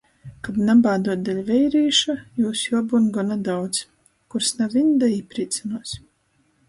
Kab nabāduot deļ veirīša, jūs juobyun gona daudz. Kurs naviņ da īprīcynuos...